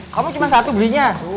kamu cuma satu belinya